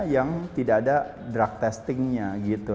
yang tidak ada drug testing nya gitu